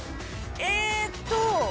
えーっと。